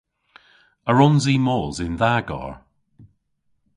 A wrons i mos yn dha garr?